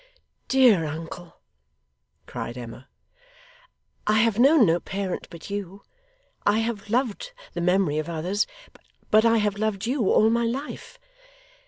'Dear uncle,' cried Emma, 'I have known no parent but you. I have loved the memory of others, but I have loved you all my life.